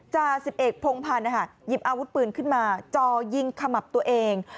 จา๑๑พงพันธุ์ยิบอาวุธปืนขึ้นมาจอยิงขมับตัวเอง